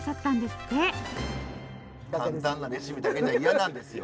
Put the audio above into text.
簡単なレシピだけじゃ嫌なんですよ。